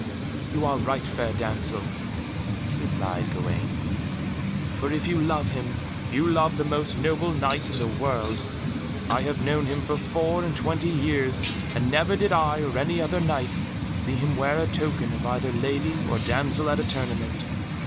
"You are right, fair damsel," replied Gawaine, "for if you love him, you love the most honourable Knight in the world. I have known him for four and twenty years, and never did I or any other Knight see him wear a token of either lady or damsel at a tournament.